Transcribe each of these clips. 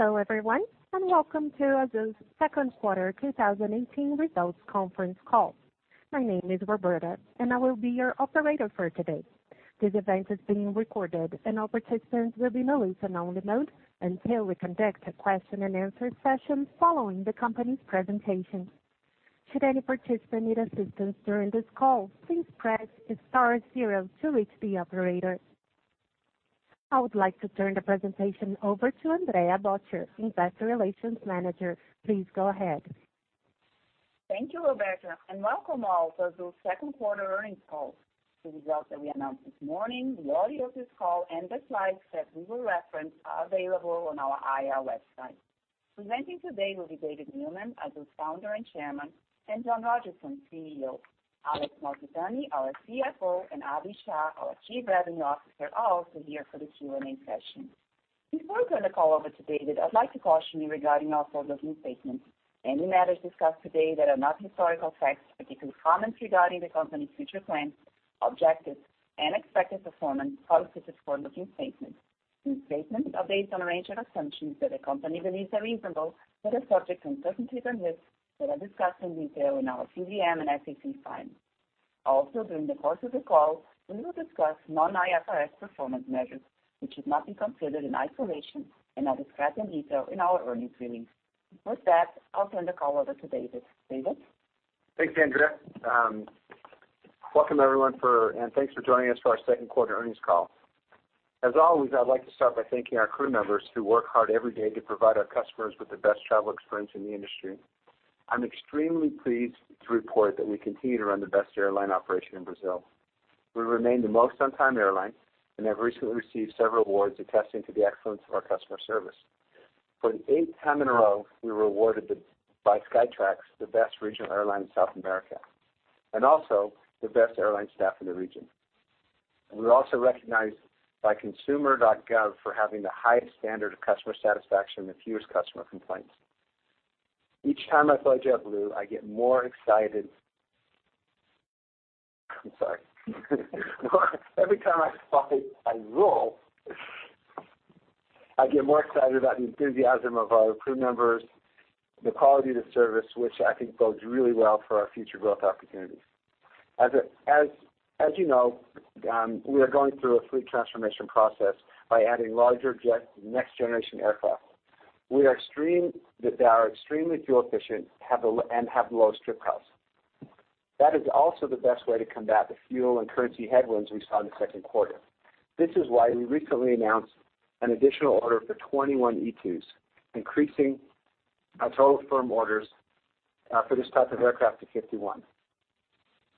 Hello, everyone. Welcome to Azul's second quarter 2018 results conference call. My name is Roberta. I will be your operator for today. This event is being recorded. All participants will be in a listen-only mode until we conduct a question-and-answer session following the company's presentation. Should any participant need assistance during this call, please press star zero to reach the operator. I would like to turn the presentation over to Thais Haberli, Investor Relations Manager. Please go ahead. Thank you, Roberta. Welcome all to Azul's second quarter earnings call. The results that we announced this morning, the audio of this call, and the slides that we will reference are available on our IR website. Presenting today will be David Neeleman, Azul's Founder and Chairman, and John Rodgerson, CEO. Alex Malfitani, our CFO, and Abhi Shah, our Chief Revenue Officer, are also here for the Q&A session. Before I turn the call over to David, I'd like to caution you regarding our forward-looking statements. Any matters discussed today that are not historical facts, particularly comments regarding the company's future plans, objectives, and expected performance, are forward-looking statements. These statements are based on a range of assumptions that the company believes are reasonable but are subject to uncertainties and risks that are discussed in detail in our CVM and SEC filings. During the course of the call, we will discuss non-IFRS performance measures, which should not be considered in isolation and are described in detail in our earnings release. With that, I'll turn the call over to David. David? Thanks, Thais. Welcome, everyone. Thanks for joining us for our second quarter earnings call. As always, I'd like to start by thanking our crew members who work hard every day to provide our customers with the best travel experience in the industry. I'm extremely pleased to report that we continue to run the best airline operation in Brazil. We remain the most on-time airline. We have recently received several awards attesting to the excellence of our customer service. For the eighth time in a row, we were awarded by Skytrax the Best Regional Airline in South America, and also the Best Airline Staff in the Region. We were also recognized by consumidor.gov.br for having the highest standard of customer satisfaction and the fewest customer complaints. Each time I fly JetBlue, I'm sorry. Every time I fly Azul, I get more excited about the enthusiasm of our crew members, the quality of the service, which I think bodes really well for our future growth opportunities. As you know, we are going through a fleet transformation process by adding larger next generation aircraft that are extremely fuel efficient and have low trip costs. That is also the best way to combat the fuel and currency headwinds we saw in the second quarter. This is why we recently announced an additional order for 21 E2s, increasing our total firm orders for this type of aircraft to 51.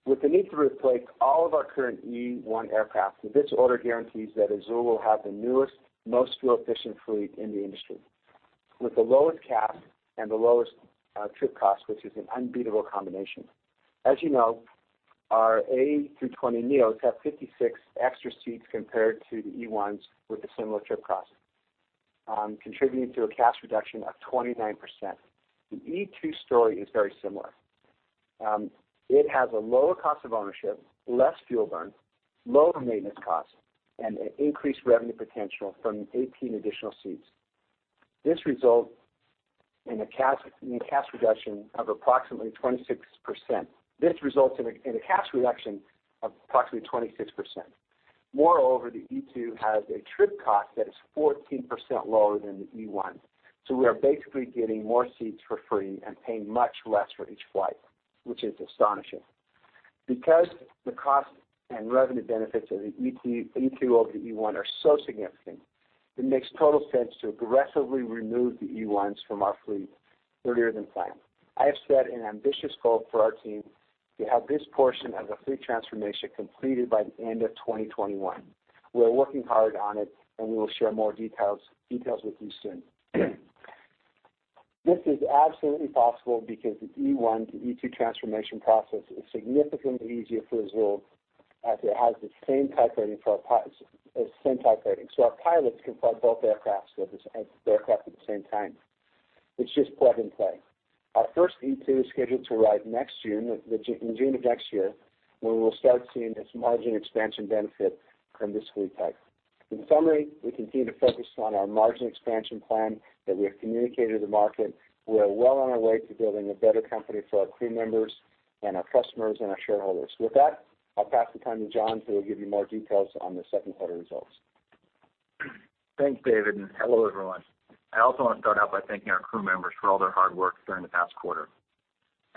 With the need to replace all of our current E1 aircraft, this order guarantees that Azul will have the newest, most fuel-efficient fleet in the industry with the lowest CASM and the lowest trip cost, which is an unbeatable combination. As you know, our A320neos have 56 extra seats compared to the E1s with a similar trip cost, contributing to a CASM reduction of 29%. The E2 story is very similar. It has a lower cost of ownership, less fuel burn, lower maintenance costs, and an increased revenue potential from 18 additional seats. This results in a CASM reduction of approximately 26%. Moreover, the E2 has a trip cost that is 14% lower than the E1. We are basically getting more seats for free and paying much less for each flight, which is astonishing. The cost and revenue benefits of the E2 over the E1 are so significant, it makes total sense to aggressively remove the E1s from our fleet earlier than planned. I have set an ambitious goal for our team to have this portion of the fleet transformation completed by the end of 2021. We are working hard on it, and we will share more details with you soon. This is absolutely possible because the E1 to E2 transformation process is significantly easier for Azul as it has the same type rating. Our pilots can fly both aircraft at the same time. It's just plug and play. Our first E2 is scheduled to arrive in June of next year, when we will start seeing this margin expansion benefit from this fleet type. In summary, we continue to focus on our margin expansion plan that we have communicated to the market. We are well on our way to building a better company for our crew members and our customers and our shareholders. With that, I'll pass the time to John, who will give you more details on the second quarter results. Thanks, David, and hello, everyone. I also want to start out by thanking our crew members for all their hard work during the past quarter.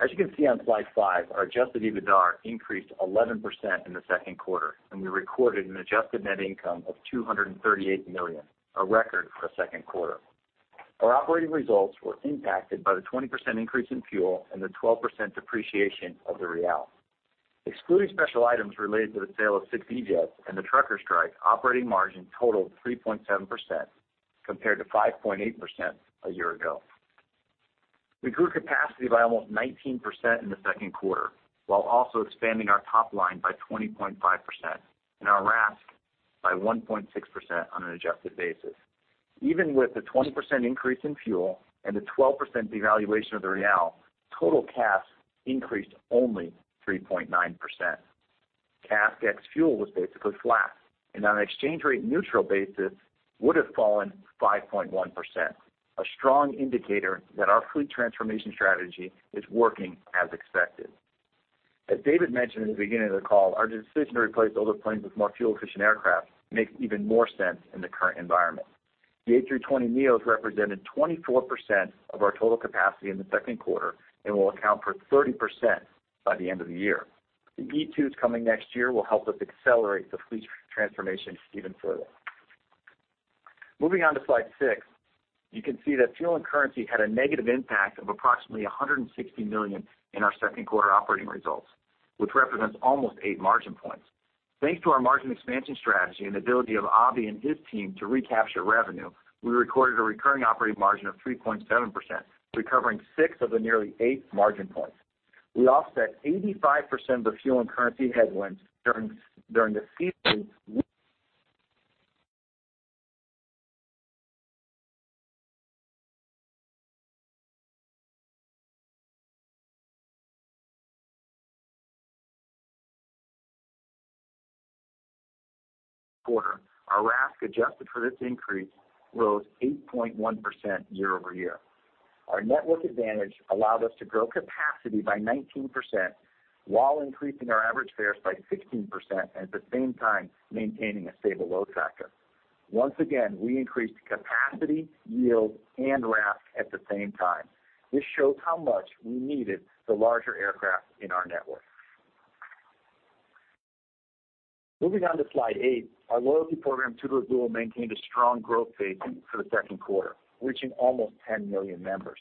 As you can see on slide five, our adjusted EBITDA increased 11% in the second quarter. We recorded an adjusted net income of 238 million, a record for the second quarter. Our operating results were impacted by the 20% increase in fuel and the 12% depreciation of the real. Excluding special items related to the sale of six E-Jets and the trucker strike, operating margin totaled 3.7%, compared to 5.8% a year ago. We grew capacity by almost 19% in the second quarter while also expanding our top line by 20.5% and our RASK by 1.6% on an adjusted basis. Even with the 20% increase in fuel and the 12% devaluation of the real, total CASM increased only 3.9%. CASK ex fuel was basically flat, on an exchange rate neutral basis, would have fallen 5.1%, a strong indicator that our fleet transformation strategy is working as expected. As David mentioned in the beginning of the call, our decision to replace older planes with more fuel-efficient aircraft makes even more sense in the current environment. The A320neos represented 24% of our total capacity in the second quarter and will account for 30% by the end of the year. The E2s coming next year will help us accelerate the fleet transformation even further. Moving on to slide six, you can see that fuel and currency had a negative impact of approximately 160 million in our second quarter operating results, which represents almost eight margin points. Thanks to our margin expansion strategy and the ability of Abhi and his team to recapture revenue, we recorded a recurring operating margin of 3.7%, recovering six of the nearly eight margin points. We offset 85% of the fuel and currency headwinds during the second quarter, our RASK, adjusted for this increase, rose 8.1% year-over-year. Our network advantage allowed us to grow capacity by 19% while increasing our average fares by 16%, at the same time maintaining a stable load factor. Once again, we increased capacity, yield, and RASK at the same time. This shows how much we needed the larger aircraft in our network. Moving on to slide eight, our loyalty program, TudoAzul, maintained a strong growth pace for the second quarter, reaching almost 10 million members.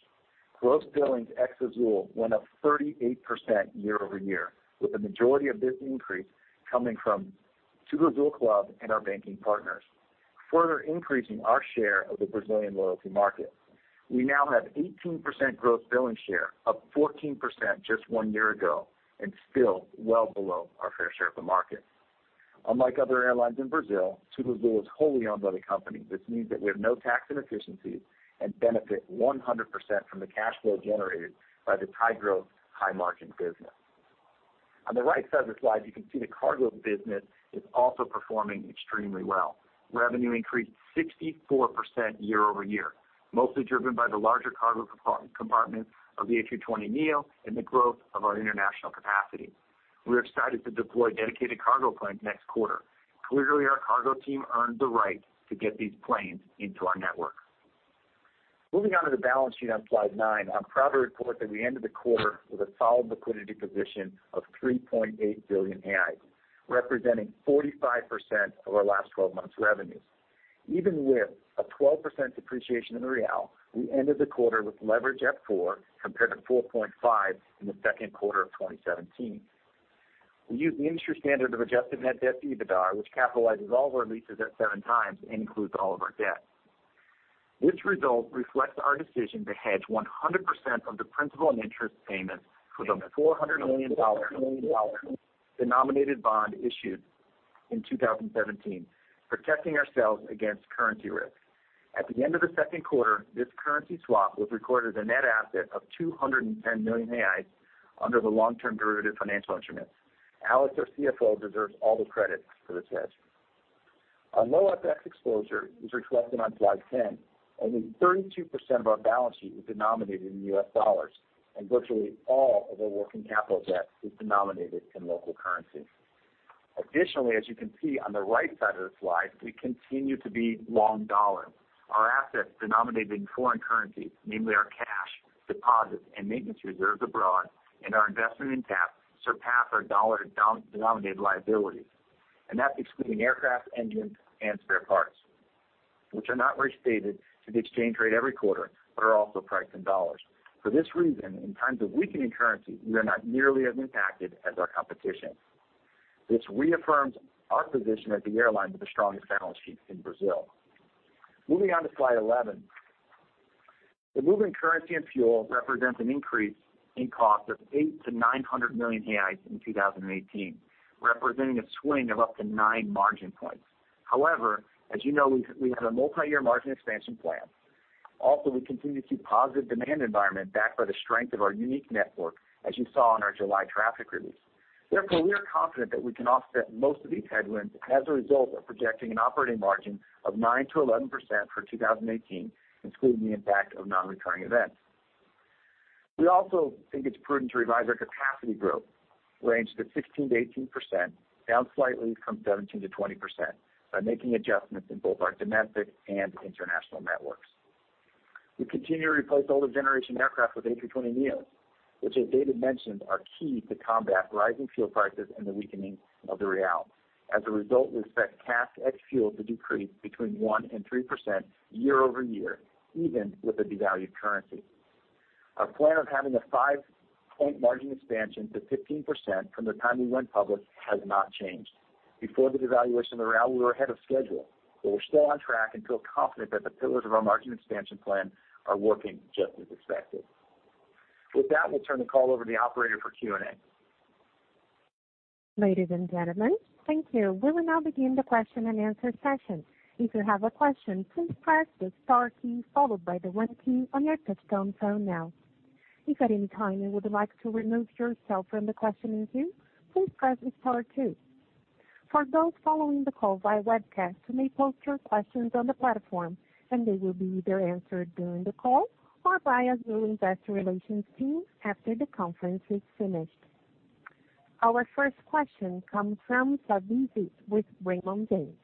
Gross billings ex Azul went up 38% year-over-year, with the majority of this increase coming from TudoAzul Club and our banking partners, further increasing our share of the Brazilian loyalty market. We now have 18% gross billing share, up 14% just one year ago, and still well below our fair share of the market. Unlike other airlines in Brazil, TudoAzul is wholly owned by the company. This means that we have no tax inefficiencies and benefit 100% from the cash flow generated by this high-growth, high-margin business. On the right side of the slide, you can see the cargo business is also performing extremely well. Revenue increased 64% year-over-year, mostly driven by the larger cargo compartment of the A320neo and the growth of our international capacity. We're excited to deploy dedicated cargo planes next quarter. Clearly, our cargo team earned the right to get these planes into our network. Moving on to the balance sheet on slide nine, I'm proud to report that we ended the quarter with a solid liquidity position of 3.8 billion, representing 45% of our last 12 months revenues. Even with a 12% depreciation in the real, we ended the quarter with leverage at four, compared to 4.5 in the second quarter of 2017. We use the industry standard of adjusted net debt to EBITDA, which capitalizes all of our leases at seven times and includes all of our debt. This result reflects our decision to hedge 100% of the principal and interest payments for the $400 million denominated bond issued in 2017, protecting ourselves against currency risk. At the end of the second quarter, this currency swap was recorded as a net asset of 210 million reais under the long-term derivative financial instruments. Alex, our CFO, deserves all the credit for this hedge. Our low FX exposure is reflected on slide 10. Only 32% of our balance sheet is denominated in US dollars, and virtually all of our working capital debt is denominated in local currency. Additionally, as you can see on the right side of the slide, we continue to be long dollar. Our assets denominated in foreign currency, namely our cash, deposits, and maintenance reserves abroad, and our investment in CAF surpass our dollar-denominated liabilities, and that's excluding aircraft, engines, and spare parts, which are not restated to the exchange rate every quarter but are also priced in dollars. For this reason, in times of weakening currency, we are not nearly as impacted as our competition. This reaffirms our position as the airline with the strongest balance sheet in Brazil. Moving on to slide 11, the move in currency and fuel represents an increase in cost of 800 million-900 million reais in 2018, representing a swing of up to nine margin points. However, as you know, we have a multi-year margin expansion plan. We continue to see positive demand environment backed by the strength of our unique network, as you saw in our July traffic release. Therefore, we are confident that we can offset most of these headwinds, and as a result are projecting an operating margin of 9%-11% for 2018, excluding the impact of non-recurring events. We also think it's prudent to revise our capacity growth range to 16%-18%, down slightly from 17%-20%, by making adjustments in both our domestic and international networks. We continue to replace older generation aircraft with A320neos, which, as David mentioned, are key to combat rising fuel prices and the weakening of the real. As a result, we expect CASK ex fuel to decrease between 1% and 3% year-over-year, even with a devalued currency. Our plan of having a five-point margin expansion to 15% from the time we went public has not changed. Before the devaluation of the real, we were ahead of schedule, but we're still on track and feel confident that the pillars of our margin expansion plan are working just as expected. With that, we'll turn the call over to the operator for Q&A. Ladies and gentlemen, thank you. We will now begin the question and answer session. If you have a question, please press the star key followed by the one key on your touch-tone phone now. If at any time you would like to remove yourself from the question in queue, please press star two. For those following the call via webcast, you may post your questions on the platform, and they will be either answered during the call or by Azul investor relations team after the conference is finished. Our first question comes from Savi Syth with Raymond James.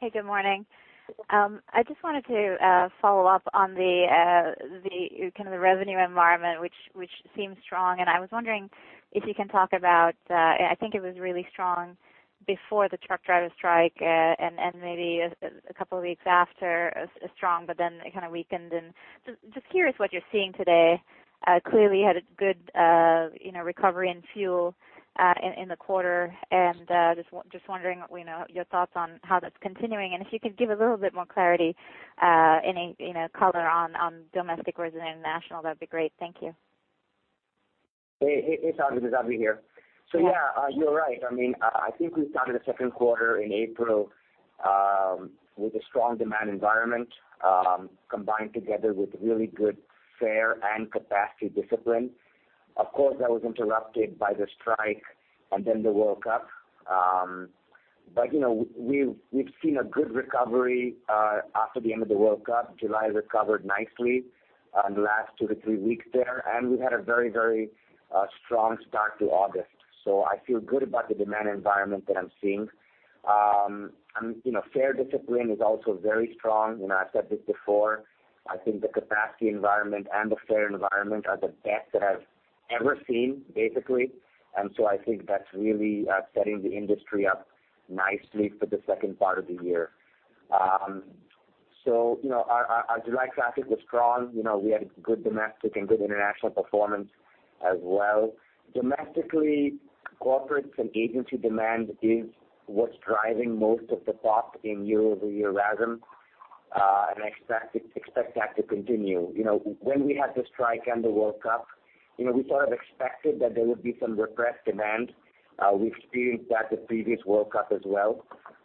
Hey, good morning. I just wanted to follow up on the revenue environment, which seems strong. I was wondering if you can talk about. I think it was really strong before the truck driver strike and maybe a couple of weeks after, strong, but then it weakened. Just curious what you're seeing today. Clearly, you had a good recovery in fuel in the quarter. Just wondering your thoughts on how that's continuing, and if you could give a little bit more clarity, any color on domestic versus international, that'd be great. Thank you. Hey, Savi. It's Abhi here. Yeah, you're right. I think we started the second quarter in April with a strong demand environment, combined together with really good fare and capacity discipline. Of course, that was interrupted by the strike and then the World Cup. We've seen a good recovery after the end of the World Cup. July recovered nicely in the last two to three weeks there, and we had a very strong start to August. I feel good about the demand environment that I'm seeing. Fare discipline is also very strong. I've said this before. I think the capacity environment and the fare environment are the best that I've ever seen, basically. I think that's really setting the industry up nicely for the second part of the year. Our July traffic was strong. We had good domestic and good international performance as well. Domestically, corporate and agency demand is what's driving most of the pop in year-over-year rhythm. I expect that to continue. When we had the strike and the World Cup, we sort of expected that there would be some repressed demand. We've experienced that the previous World Cup as well.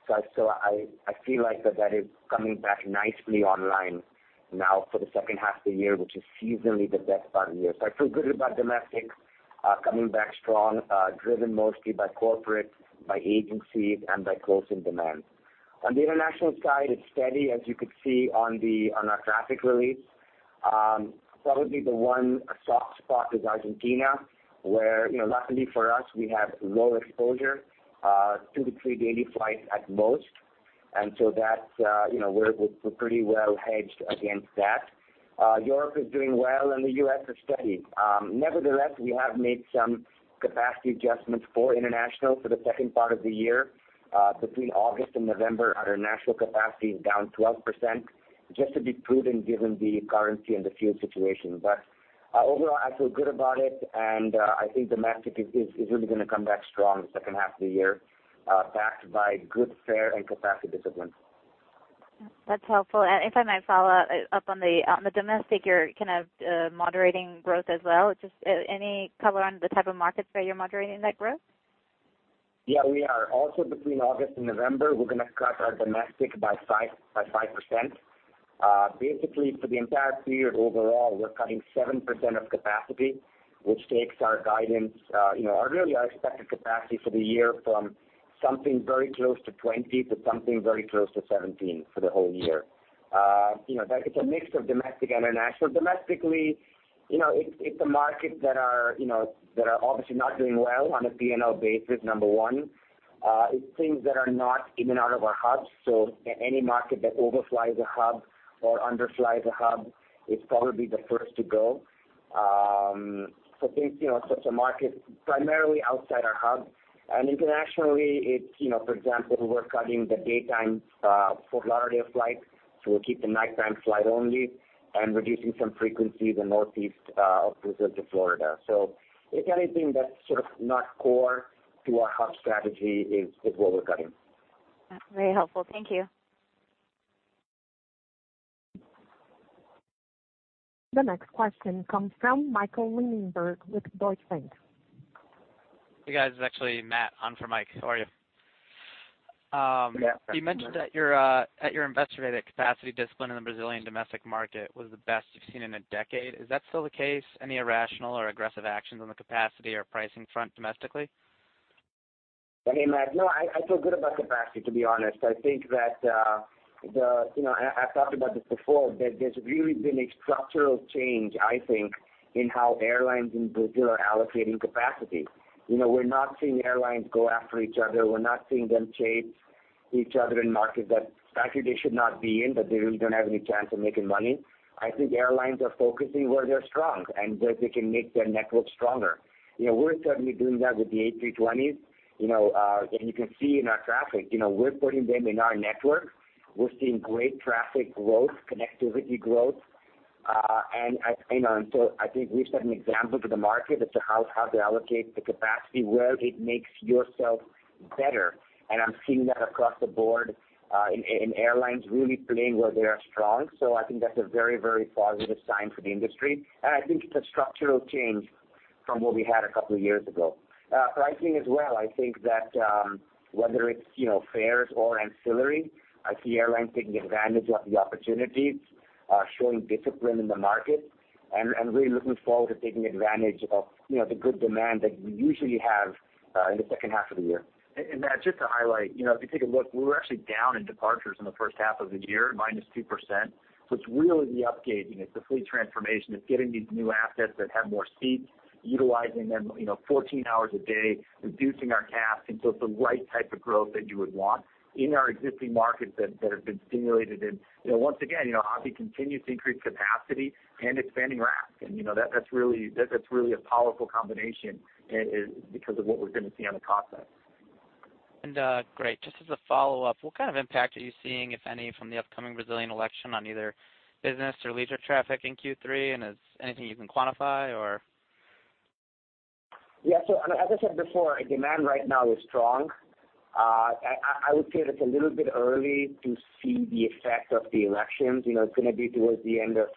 I feel like that is coming back nicely online now for the second half of the year, which is seasonally the best part of the year. I feel good about domestic coming back strong, driven mostly by corporate, by agencies, and by closing demand. On the international side, it's steady, as you could see on our traffic release. Probably the one soft spot is Argentina, where luckily for us, we have low exposure, two to three daily flights at most. We're pretty well hedged against that. Europe is doing well, and the U.S. is steady. Nevertheless, we have made some capacity adjustments for international for the second part of the year. Between August and November, our international capacity is down 12%, just to be prudent given the currency and the fuel situation. Overall, I feel good about it, and I think domestic is really going to come back strong the second half of the year, backed by good fare and capacity discipline. That's helpful. If I might follow up on the domestic, you're kind of moderating growth as well. Just any color on the type of markets where you're moderating that growth? Yeah, we are. Between August and November, we're going to cut our domestic by 5%. For the entire period overall, we're cutting 7% of capacity, which takes our guidance, really our expected capacity for the year from something very close to 20 to something very close to 17 for the whole year. It's a mix of domestic and international. Domestically, it's the markets that are obviously not doing well on a P&L basis, number one. It's things that are not in and out of our hubs. Any market that overflies a hub or underflies a hub is probably the first to go. Such a market primarily outside our hub. Internationally, for example, we're cutting the daytime Fort Lauderdale flights, so we'll keep the nighttime flight only and reducing some frequency to Northeast of Brazil to Florida. It's anything that's sort of not core to our hub strategy is what we're cutting. That's very helpful. Thank you. The next question comes from Michael Linenberg with Deutsche Bank. Hey, guys. It's actually Matt on for Mike. How are you? Yeah. You mentioned that your Investor Day capacity discipline in the Brazilian domestic market was the best you've seen in 10 years. Is that still the case? Any irrational or aggressive actions on the capacity or pricing front domestically? Hey, Matt. No, I feel good about capacity, to be honest. I've talked about this before, that there's really been a structural change, I think, in how airlines in Brazil are allocating capacity. We're not seeing airlines go after each other. We're not seeing them chase each other in markets that actually they should not be in, but they really don't have any chance of making money. I think airlines are focusing where they're strong and where they can make their network stronger. We're certainly doing that with the A320s. You can see in our traffic, we're putting them in our network. We're seeing great traffic growth, connectivity growth. I think we've set an example to the market as to how to allocate the capacity where it makes yourself better. I'm seeing that across the board in airlines really playing where they are strong. I think that's a very positive sign for the industry. I think it's a structural change from what we had a couple of years ago. Pricing as well, I think that whether it's fares or ancillary, I see airlines taking advantage of the opportunities, showing discipline in the market, and really looking forward to taking advantage of the good demand that we usually have in the second half of the year. Matt, just to highlight, if you take a look, we were actually down in departures in the first half of the year, minus 2%. It's really the upgauging. It's the fleet transformation. It's getting these new assets that have more seats, utilizing them 14 hours a day, reducing our CASM. It's the right type of growth that you would want in our existing markets that have been stimulated. Once again, Azul continues to increase capacity and expanding RASK. That's really a powerful combination because of what we're going to see on the cost side. Great. Just as a follow-up, what kind of impact are you seeing, if any, from the upcoming Brazilian election on either business or leisure traffic in Q3? Is anything you can quantify or? Yeah. As I said before, demand right now is strong. I would say that it's a little bit early to see the effect of the elections. It's going to be towards the end of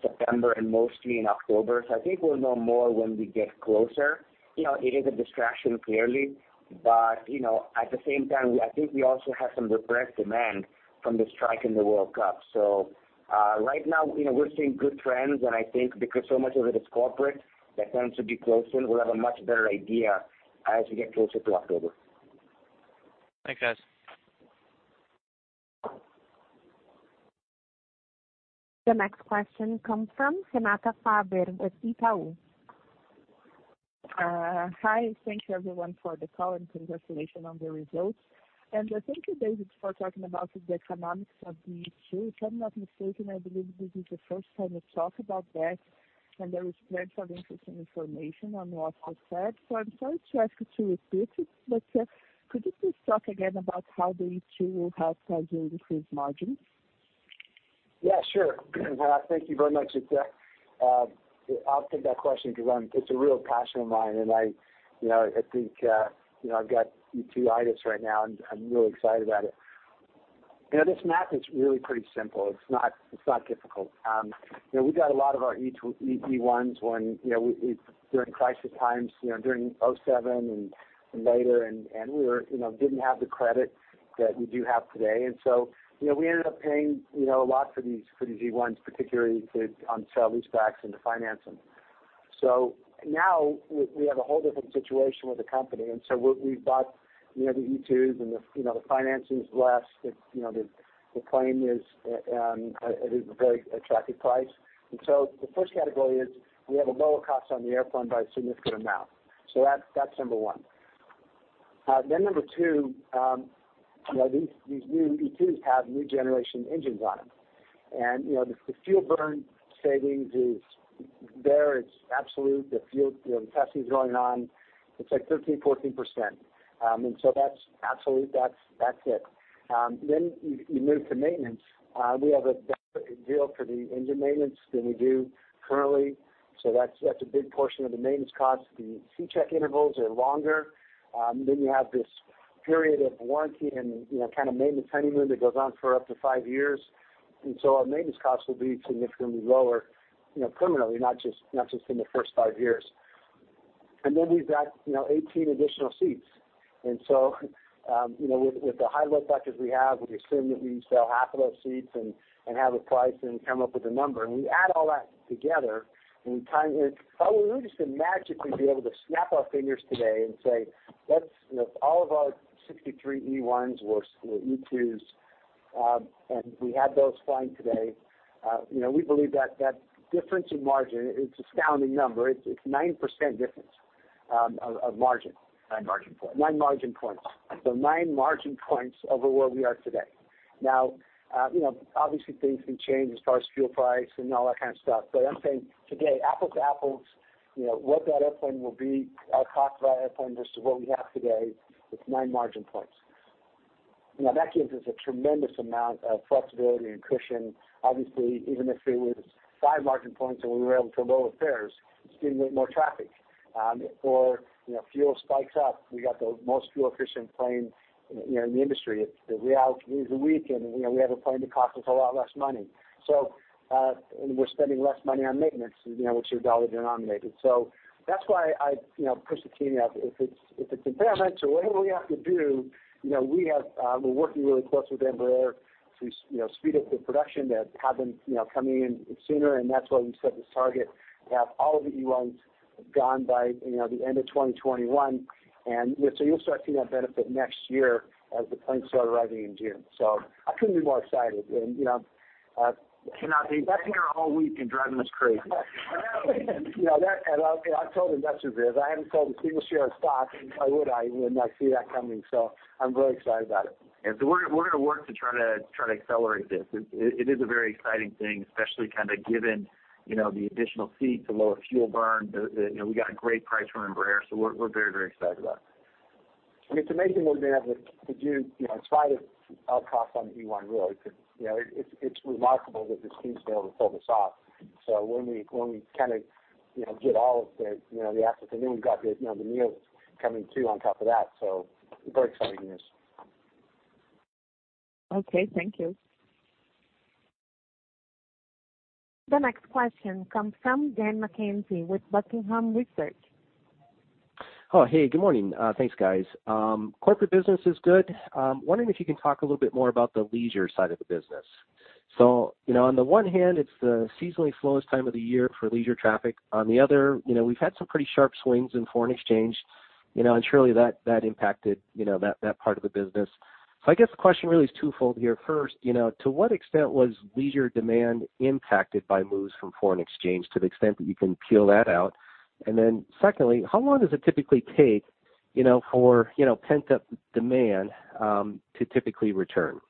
September and mostly in October. I think we'll know more when we get closer. It is a distraction, clearly. At the same time, I think we also have some repressed demand from the strike in the World Cup. Right now, we're seeing good trends, and I think because so much of it is corporate, that tends to be closer and we'll have a much better idea as we get closer to October. Thanks, guys. The next question comes from Renata Faber with Itaú. Hi, thank you everyone for the call and congratulations on the results. Thank you, David, for talking about the economics of the E2. If I'm not mistaken, I believe this is the first time you've talked about that, and there is plenty of interesting information on what was said. I'm sorry to ask you to repeat it, but could you please talk again about how the E2 will help Azul increase margins? Yeah, sure. Thank you very much. I'll take that question because it's a real passion of mine, and I think I've got E2-itis right now, and I'm really excited about it. This math is really pretty simple. It's not difficult. We got a lot of our E1s during crisis times, during 2007 and later, and we didn't have the credit that we do have today. We ended up paying a lot for these E1s, particularly on sale-leasebacks and to finance them. Now we have a whole different situation with the company, and so we've bought the E2s and the financing is less. The claim is at a very attractive price. The first category is we have a lower cost on the airplane by a significant amount. That's number one. Number two, these new E2s have new generation engines on them. The fuel burn savings is there. It's absolute. The testing is going on. It's like 13, 14%. That's absolute. That's it. You move to maintenance. We have a better deal for the engine maintenance than we do currently. That's a big portion of the maintenance cost. The C-check intervals are longer. You have this period of warranty and kind of maintenance honeymoon that goes on for up to five years. Our maintenance costs will be significantly lower permanently, not just in the first five years. We've got 18 additional seats. With the high load factors we have, we assume that we sell half of those seats and have a price and come up with a number. We add all that together. If we were just to magically be able to snap our fingers today and say all of our 63 E1s were E2s, and we had those flying today, we believe that difference in margin, it's astounding number. It's 9% difference of margin. Nine margin points. Nine margin points. Nine margin points over where we are today. Obviously, things can change as far as fuel price and all that kind of stuff. I'm saying today, apples to apples, what that airplane will be, our cost of that airplane versus what we have today, it's nine margin points. That gives us a tremendous amount of flexibility and cushion. Obviously, even if it was five margin points and we were able to lower fares, stimulate more traffic, or fuel spikes up, we got the most fuel-efficient plane in the industry. If the real is weak and we have a plane that costs us a lot less money. We're spending less money on maintenance which is dollar denominated. That's why I push the team. If it's incremental, whatever we have to do, we're working really closely with Embraer to speed up the production to have them coming in sooner, and that's why we set this target to have all of the E1s gone by the end of 2021. You'll start seeing that benefit next year as the planes start arriving in June. I couldn't be more excited. Cannot be. Been hearing it all week driving us crazy. I've told investors this. I haven't sold a single share of stock, and why would I when I see that coming? I'm very excited about it. We're going to work to try to accelerate this. It is a very exciting thing, especially kind of given the additional seat, the lower fuel burn. We got a great price from Embraer, so we're very excited about it. I mean, it's amazing what we've been able to do. It's why the upcost on the E1 really. It's remarkable that this team's been able to pull this off. When we kind of get all of the assets. Then we've got the Neos coming too on top of that, very exciting news. Okay, thank you. The next question comes from Daniel McKenzie with Buckingham Research. Hey, good morning. Thanks, guys. Corporate business is good. I'm wondering if you can talk a little more about the leisure side of the business. On the one hand, it's the seasonally slowest time of the year for leisure traffic. On the other, we've had some pretty sharp swings in foreign exchange, and surely that impacted that part of the business. I guess the question really is twofold here. First, to what extent was leisure demand impacted by moves from foreign exchange to the extent that you can peel that out? Then secondly, how long does it typically take for pent-up demand to typically return?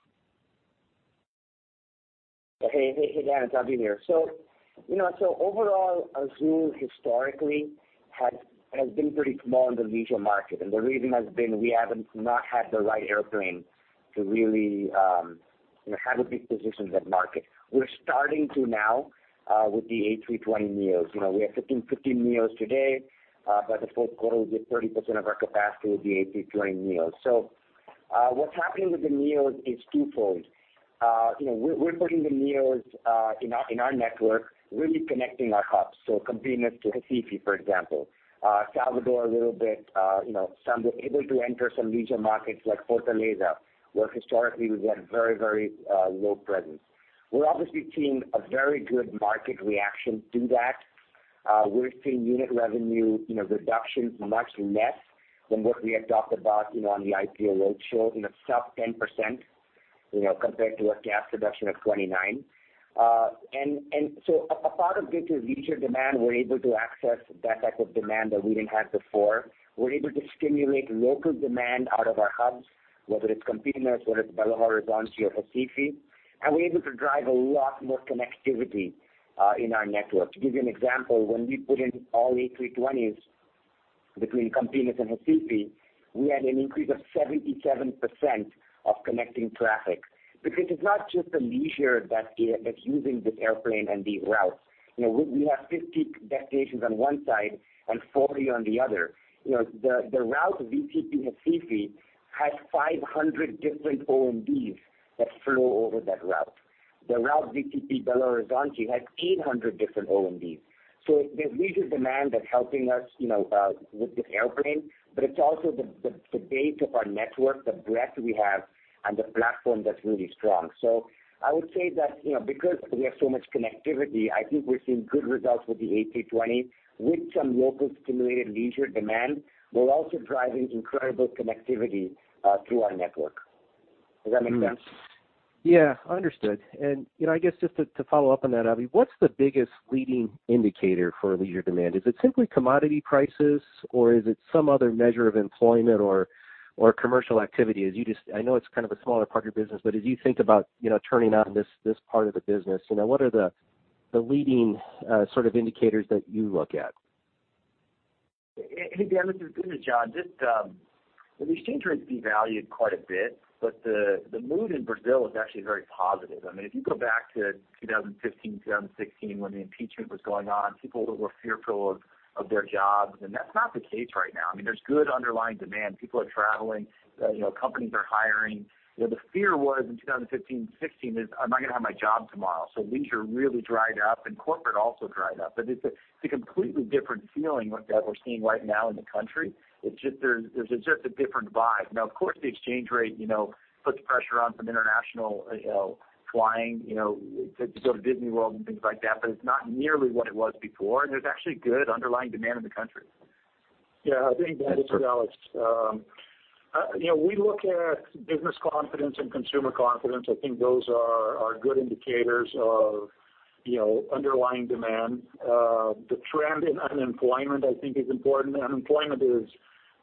Hey, Dan. It's Abhi here. Overall, Azul historically has been pretty small in the leisure market, and the reason has been we have not had the right airplane to really have a big position in that market. We're starting to now with the A320neos. We have 15 A320neo today, by the fourth quarter, we'll get 30% of our capacity with the A320neo. What's happening with the A320neo is twofold. We're putting the A320neos in our network, really connecting our hubs, Campinas to Recife, for example. Salvador a little bit, some were able to enter some leisure markets like Fortaleza, where historically we've had very low presence. We're obviously seeing a very good market reaction to that. We're seeing unit revenue reductions much less than what we had talked about on the IPO roadshow, in a sub 10%, compared to a CASM reduction of 29. A part of it is leisure demand. We're able to access that type of demand that we didn't have before. We're able to stimulate local demand out of our hubs, whether it's Campinas, whether it's Belo Horizonte or Recife, and we're able to drive a lot more connectivity in our network. To give you an example, when we put in all A320s between Campinas and Recife, we had an increase of 77% of connecting traffic. Because it's not just the leisure that's using this airplane and these routes. We have 50 destinations on one side and 40 on the other. The route VCP to Recife has 500 different O&Ds that flow over that route. The route VCP to Belo Horizonte has 800 different O&Ds. There's leisure demand that's helping us with this airplane, but it's also the base of our network, the breadth we have and the platform that's really strong. I would say that because we have so much connectivity, I think we're seeing good results with the A320 with some local stimulated leisure demand. We're also driving incredible connectivity through our network. Does that make sense? Yeah. Understood. I guess just to follow up on that, Abhi, what's the biggest leading indicator for leisure demand? Is it simply commodity prices or is it some other measure of employment or commercial activity? I know it's a smaller part of your business, but as you think about turning on this part of the business, what are the leading indicators that you look at? Hey, Dan. This is John. The exchange rate devalued quite a bit, but the mood in Brazil is actually very positive. If you go back to 2015, 2016 when the impeachment was going on, people were fearful of their jobs, and that's not the case right now. There's good underlying demand. People are traveling, companies are hiring. The fear was in 2015 and 2016 is, "Am I going to have my job tomorrow?" Leisure really dried up and corporate also dried up. It's a completely different feeling that we're seeing right now in the country. It's just a different vibe. Of course, the exchange rate puts pressure on some international flying, to go to Disney World and things like that, but it's not nearly what it was before, and there's actually good underlying demand in the country. I think that it's real, Alex. We look at business confidence and consumer confidence. I think those are good indicators of underlying demand. The trend in unemployment I think is important. Unemployment is,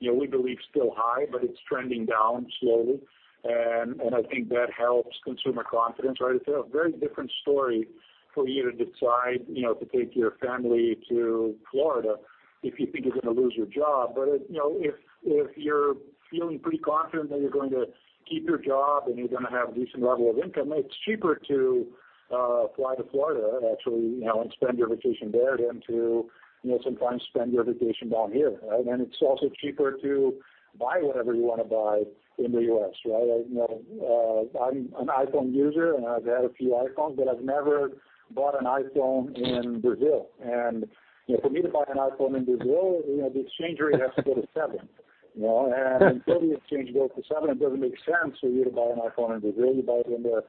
we believe, still high, but it's trending down slowly, and I think that helps consumer confidence. It's a very different story for you to decide to take your family to Florida if you think you're going to lose your job. If you're feeling pretty confident that you're going to keep your job and you're going to have a decent level of income, it's cheaper to fly to Florida, actually, and spend your vacation there than to sometimes spend your vacation down here. It's also cheaper to buy whatever you want to buy in the U.S. I'm an iPhone user and I've had a few iPhones, but I've never bought an iPhone in Brazil. For me to buy an iPhone in Brazil, the exchange rate has to go to seven. Until the exchange goes to seven, it doesn't make sense for you to buy an iPhone in Brazil. You buy it in the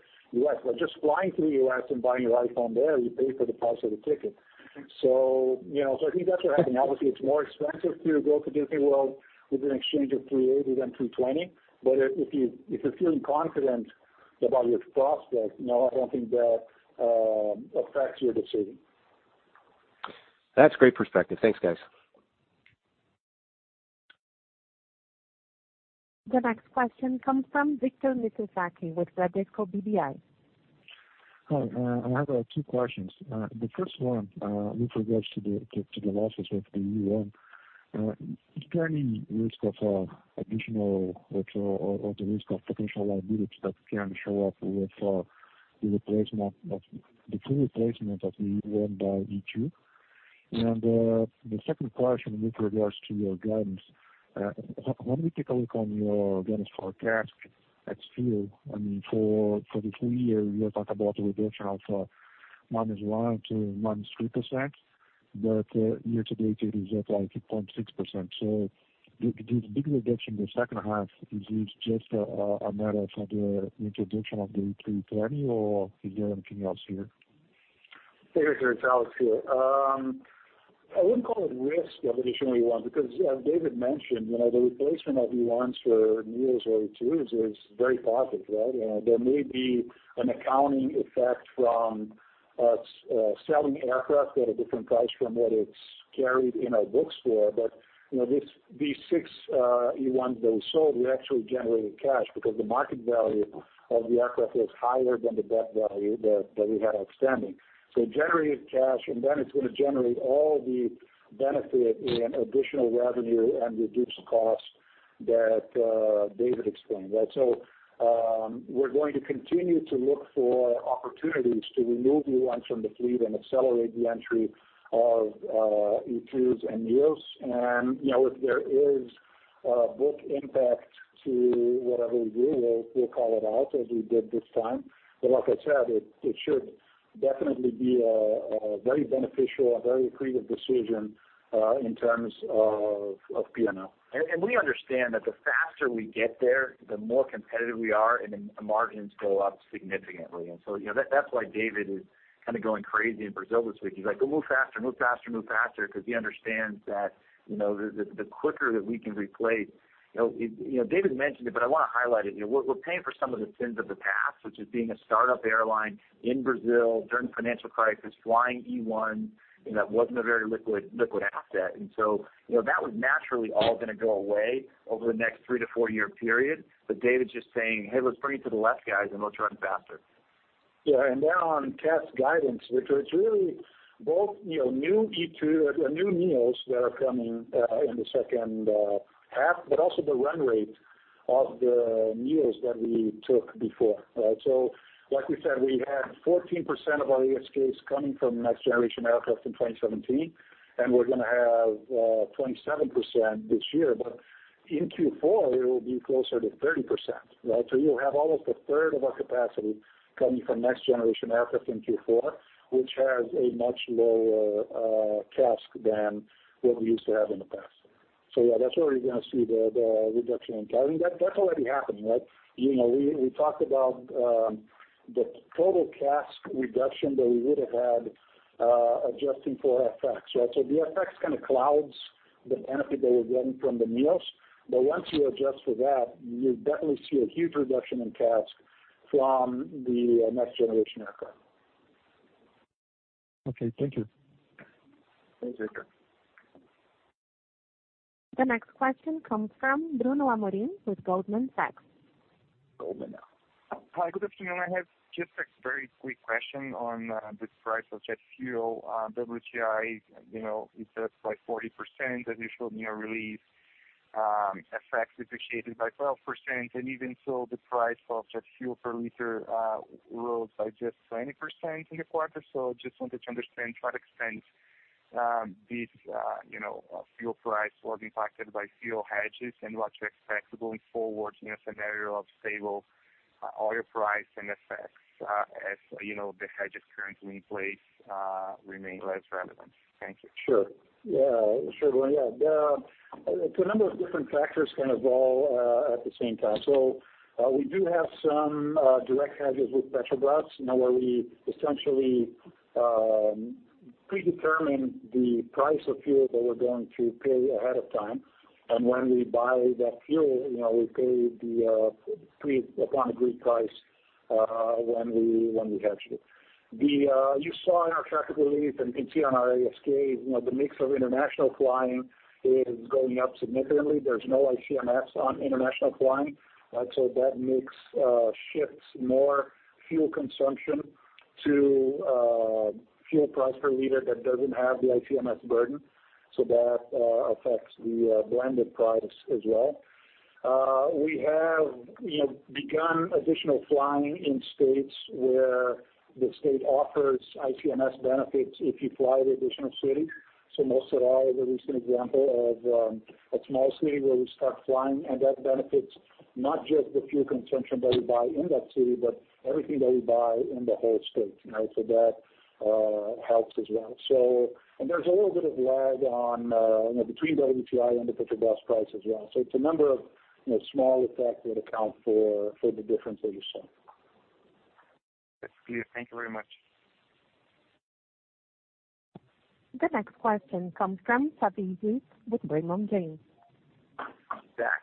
U.S. Just flying to the U.S. and buying your iPhone there, you pay for the price of the ticket. I think that's what's happening. Obviously, it's more expensive for you to go to Disney World with an exchange of 380 than 220. If you're feeling confident about your prospects, I don't think that affects your decision. That's great perspective. Thanks, guys. The next question comes from Victor Mizusaki with Bradesco BBI. Hi. I have two questions. The first one with regards to the losses of the E1. Is there any risk of additional or the risk of potential liability that can show up with the full replacement of the E1 by E2? The second question with regards to your guidance. When we take a look on your guidance forecast at fuel, for the full year, you talk about a reduction of -1% to -3%, but year-to-date it is up like 2.6%. This big reduction in the second half, is this just a matter for the introduction of the A320neo or is there anything else here? Hey, Ricardo. It's Alex here. I wouldn't call it risk of additional E1, because as David mentioned, the replacement of E1s for NEOs or E2s is very positive. There may be an accounting effect from us selling aircraft at a different price from what it's carried in our books for, but these six E1s that we sold, we actually generated cash because the market value of the aircraft was higher than the book value that we had outstanding. It generated cash, and then it's going to generate all the benefit in additional revenue and reduced costs that David explained. We're going to continue to look for opportunities to remove E1s from the fleet and accelerate the entry of E2s and NEOs. If there is a book impact to whatever we do, we'll call it out as we did this time. Like I said, it should definitely be a very beneficial, very accretive decision in terms of P&L. We understand that the faster we get there, the more competitive we are. The margins go up significantly. That's why David is kind of going crazy in Brazil this week. He's like, "Move faster." He understands that the quicker that we can replace. David mentioned it, but I want to highlight it. We're paying for some of the sins of the past, which is being a startup airline in Brazil during the financial crisis, flying E1, and that wasn't a very liquid asset. That was naturally all going to go away over the next three to four-year period. David's just saying, "Hey, let's bring it to the left, guys, and let's run faster. On CASK guidance, which is really both new NEOs that are coming in the second half, also the run rate of the NEOs that we took before. Like we said, we had 14% of our ASKs coming from next generation aircraft in 2017. We're going to have 27% this year. In Q4, it will be closer to 30%. You'll have almost a third of our capacity coming from next generation aircraft in Q4, which has a much lower CASK than what we used to have in the past. That's where we're going to see the reduction in CASK. That's already happening. We talked about the total CASK reduction that we would have had adjusting for FX. The FX kind of clouds the benefit that we're getting from the NEOs. Once you adjust for that, you definitely see a huge reduction in CASK from the next generation aircraft. Thank you. Thanks, Ricardo. The next question comes from Bruno Amorim with Goldman Sachs. Goldman Sachs. Hi, good afternoon. I have just a very quick question on the price of jet fuel. WTI is up by 40%, as you showed in your release. FX appreciated by 12%, and even so, the price of jet fuel per liter rose by just 20% in the quarter. Just wanted to understand to what extent this fuel price was impacted by fuel hedges and what you expect going forward in a scenario of stable oil price and FX, as the hedges currently in place remain less relevant. Thank you. Sure. Yeah, sure, Bruno. A number of different factors kind of all at the same time. We do have some direct hedges with Petrobras, where we essentially predetermine the price of fuel that we're going to pay ahead of time. When we buy that fuel, we pay the pre upon agreed price when we hedge it. You saw in our traffic release and can see on our ASK, the mix of international flying is going up significantly. There's no ICMS on international flying. That mix shifts more fuel consumption to fuel price per liter that doesn't have the ICMS burden. That affects the blended price as well. We have begun additional flying in states where the state offers ICMS benefits if you fly to the additional city. Mossoró is an example of a small city where we start flying, and that benefits not just the fuel consumption that we buy in that city, but everything that we buy in the whole state. That helps as well. There's a little bit of lag between the WTI and the Petrobras price as well. It's a number of small effects that account for the difference that you saw. That's clear. Thank you very much. The next question comes from Savi Syth with Raymond James. Back.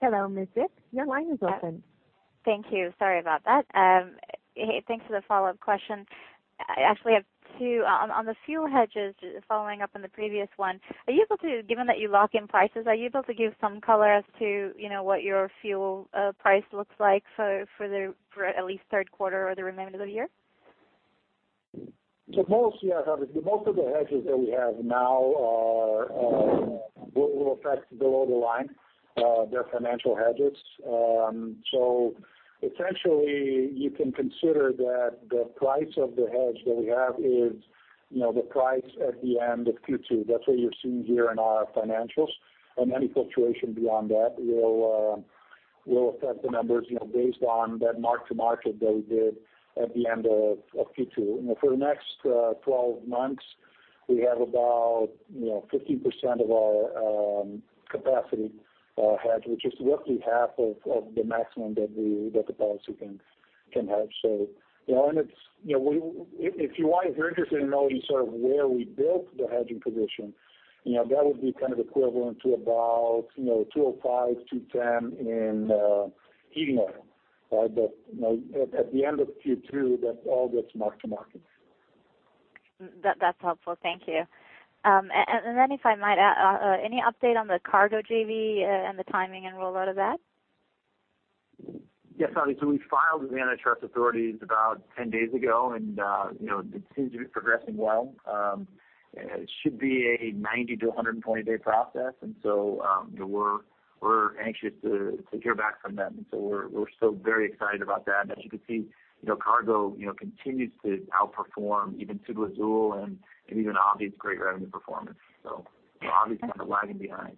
Hello, Ms. Syth. Your line is open. Thank you. Sorry about that. Hey, thanks for the follow-up question. I actually have two. On the fuel hedges, following up on the previous one, given that you lock in prices, are you able to give some color as to what your fuel price looks like for at least third quarter or the remainder of the year? Most of the hedges that we have now will affect below the line. They're financial hedges. Essentially, you can consider that the price of the hedge that we have is the price at the end of Q2. That's what you're seeing here in our financials. Any fluctuation beyond that will affect the numbers based on that mark-to-market that we did at the end of Q2. For the next 12 months, we have about 15% of our capacity hedged, which is roughly half of the maximum that the policy can hedge. If you're interested in knowing where we built the hedging position, that would be equivalent to about 205, 210 in heating oil. At the end of Q2, that all gets mark-to-market. That's helpful. Thank you. If I might add, any update on the cargo JV and the timing and rollout of that? Yes, we filed with the antitrust authorities about 10 days ago, and it seems to be progressing well. It should be a 90 to 120-day process. We're anxious to hear back from them. We're still very excited about that. As you can see, cargo continues to outperform even Azul and even Avianca's great revenue performance. Avianca is kind of lagging behind.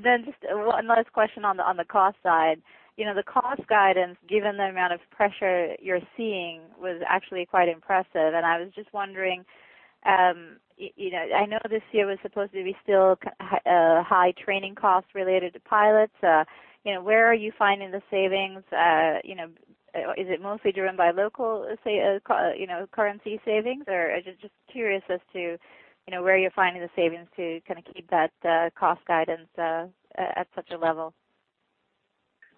Just one last question on the cost side. The cost guidance, given the amount of pressure you're seeing, was actually quite impressive, and I was just wondering. I know this year was supposed to be still high training costs related to pilots. Where are you finding the savings? Is it mostly driven by local currency savings? I'm just curious as to where you're finding the savings to keep that cost guidance at such a level.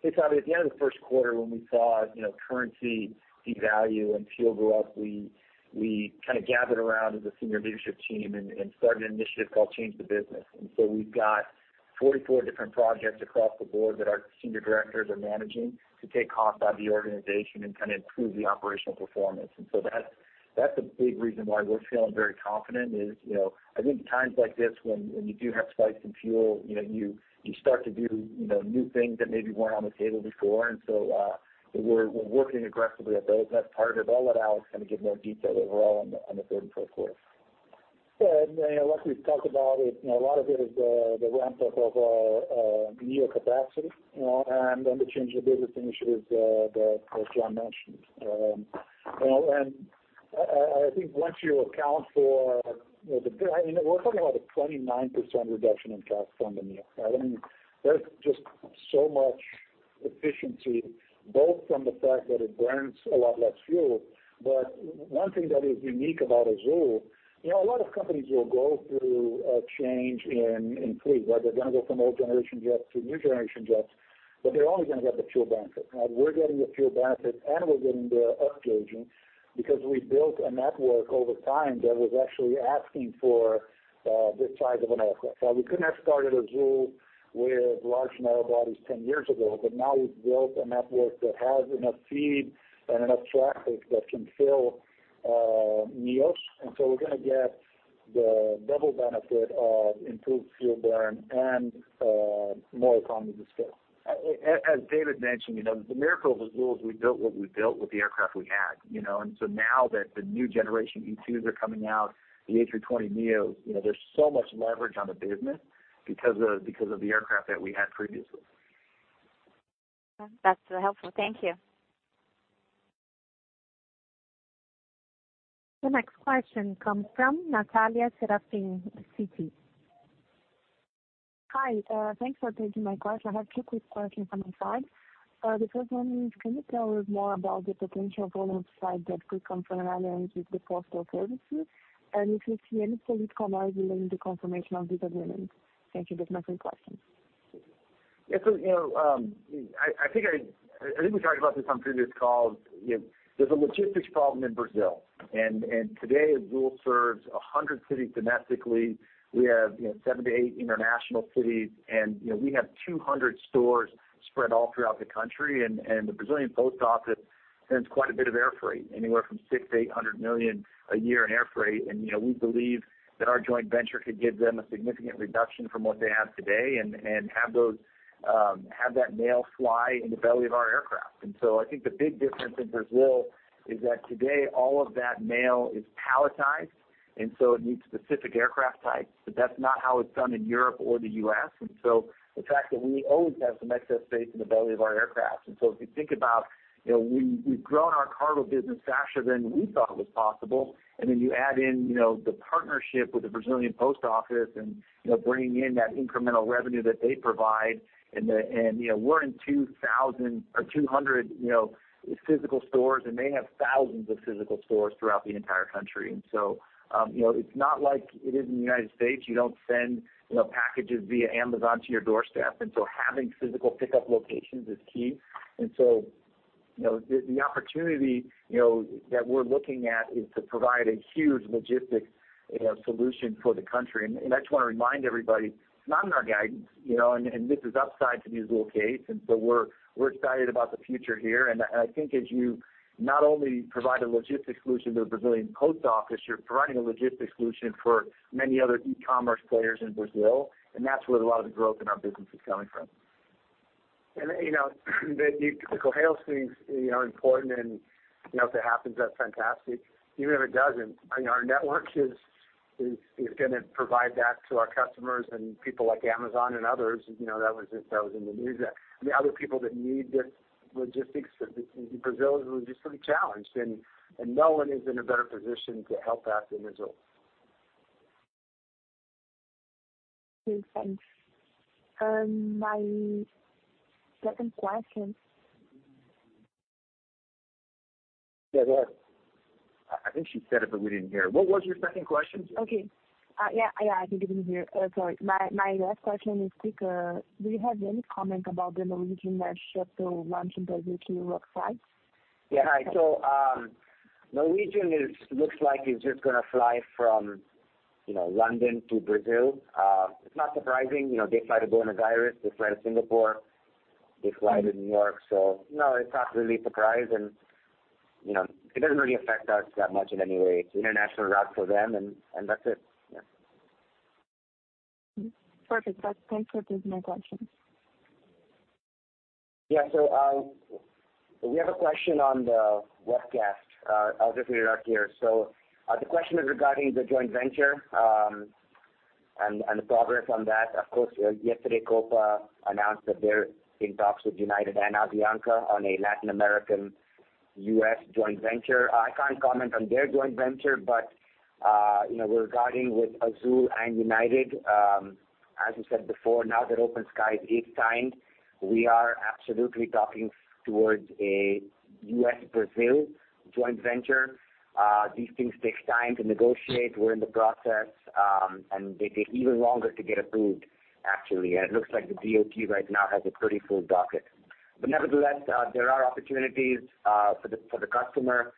Hey, Savi, at the end of the first quarter, when we saw currency devalue and fuel go up, we gathered around as a senior leadership team and started an initiative called Change the Business. We've got 44 different projects across the board that our senior directors are managing to take cost out of the organization and improve the operational performance. That's a big reason why we're feeling very confident is, I think times like this when you do have spikes in fuel, you start to do new things that maybe weren't on the table before. We're working aggressively at those, and that's part of it. I'll let Alex give more detail overall on the third and fourth quarter. Like we've talked about, a lot of it is the ramp-up of our neo capacity and then the Change the Business initiatives that John mentioned. I think once you account for the we're talking about a 29% reduction in cost from the neo. There's just so much efficiency, both from the fact that it burns a lot less fuel. One thing that is unique about Azul, a lot of companies will go through a change in fleet where they're going to go from old generation jets to new generation jets, but they're only going to get the fuel benefit. We're getting the fuel benefit, and we're getting the upgauging because we built a network over time that was actually asking for this size of an aircraft. We couldn't have started Azul with large narrow bodies 10 years ago, now we've built a network that has enough feed and enough traffic that can fill neos. We're going to get the double benefit of improved fuel burn and more economies of scale. As David mentioned, the miracle of Azul is we built what we built with the aircraft we had. Now that the new generation E2s are coming out, the A320neo, there's so much leverage on the business because of the aircraft that we had previously. That's helpful. Thank you. The next question comes from Natalia Serafin, Citi. Hi. Thanks for taking my question. I have two quick questions on my side. The first one is, can you tell us more about the potential role inside that could come from an alliance with the postal services? If you see any solid commercial in the confirmation of this agreement? Thank you. That's my quick questions. I think we talked about this on previous calls. There's a logistics problem in Brazil. Today, Azul serves 100 cities domestically. We have seven to eight international cities, and we have 200 stores spread all throughout the country. The Correios sends quite a bit of air freight, anywhere from 600 million to 800 million a year in air freight. We believe that our joint venture could give them a significant reduction from what they have today and have that mail fly in the belly of our aircraft. I think the big difference in Brazil is that today, all of that mail is palletized, and so it needs specific aircraft types. That's not how it's done in Europe or the U.S. The fact that we always have some excess space in the belly of our aircraft. If you think about we've grown our cargo business faster than we thought was possible, you add in the partnership with the Correios and bringing in that incremental revenue that they provide, we're in 200 physical stores, and they have thousands of physical stores throughout the entire country. It's not like it is in the United States. You don't send packages via Amazon to your doorstep. Having physical pickup locations is key. The opportunity that we're looking at is to provide a huge logistics solution for the country. I just want to remind everybody, it's not in our guidance, and this is upside to these locations. We're excited about the future here. I think as you not only provide a logistics solution to the Correios, you're providing a logistics solution for many other e-commerce players in Brazil, and that's where a lot of the growth in our business is coming from. The Correios thing is important and if it happens, that's fantastic. Even if it doesn't, our network is going to provide that to our customers and people like Amazon and others. That was in the news that the other people that need this logistics, Brazil is logistically challenged, and no one is in a better position to help that than Azul. Okay, thanks. My second question. Yes. I think she said it, we didn't hear. What was your second question? Okay. Yeah, I think you didn't hear. Sorry. My last question is quicker. Do you have any comment about the Norwegian Air Shuttle to launch in Brazil to New York flight? Yeah. Norwegian looks like it's just going to fly from London to Brazil. It's not surprising. They fly to Buenos Aires. They fly to Singapore. They fly to New York. No, it's not really a surprise, and it doesn't really affect us that much in any way. It's an international route for them, and that's it. Yeah. Perfect. That's it. Those are my questions. Yeah. We have a question on the webcast. I'll just read it out here. The question is regarding the joint venture and the progress on that. Of course, yesterday, Copa announced that they're in talks with United and Avianca on a Latin American U.S. joint venture. I can't comment on their joint venture. Regarding with Azul and United, as we said before, now that Open Skies is signed, we are absolutely talking towards a U.S.-Brazil joint venture. These things take time to negotiate. We're in the process, and they take even longer to get approved, actually. It looks like the DOT right now has a pretty full docket. Nevertheless, there are opportunities for the customer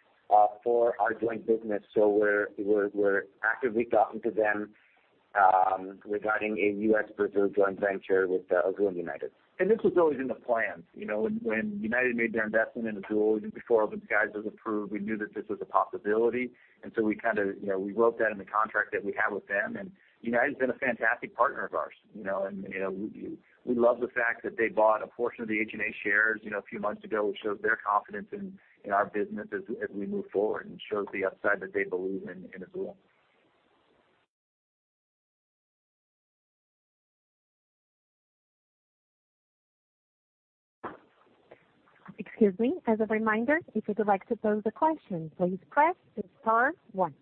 for our joint business. We're actively talking to them regarding a U.S.-Brazil joint venture with Azul and United. This was always in the plans. When United made their investment in Azul, even before Open Skies was approved, we knew that this was a possibility. We wrote that in the contract that we have with them. United's been a fantastic partner of ours, and we love the fact that they bought a portion of the HNA shares a few months ago, which shows their confidence in our business as we move forward and shows the upside that they believe in Azul. Excuse me. As a reminder, if you'd like to pose a question, please press star one.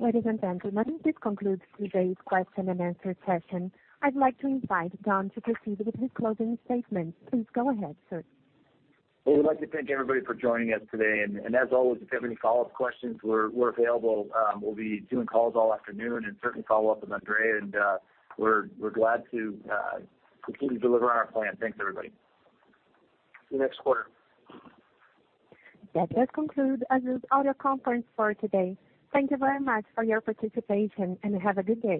Ladies and gentlemen, this concludes today's question and answer session. I'd like to invite John to proceed with his closing statement. Please go ahead, sir. Well, we'd like to thank everybody for joining us today. As always, if you have any follow-up questions, we're available. We'll be doing calls all afternoon and certainly follow up with Andre. We're glad to continue to deliver on our plan. Thanks, everybody. See you next quarter. That does conclude Azul's audio conference for today. Thank you very much for your participation, and have a good day.